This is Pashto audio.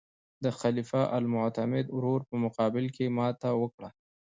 د خلیفه المعتمد ورور په مقابل کې یې ماته وکړه.